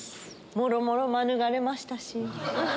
もろもろ免れましたし。